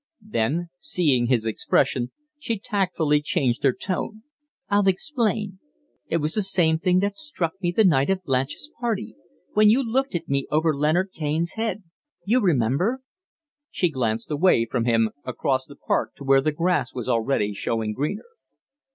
Then, seeing his expression, she tactfully changed her tone. "I'll explain. It was the same thing that struck me the night of Blanche's party when you looked at me over Leonard Kaine's head. You remember?" She glanced away from him across the Park to where the grass was already showing greener.